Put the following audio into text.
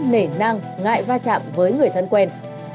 nể năng ngại va chạm với người thân quen